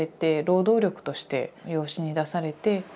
労働力として養子に出されて。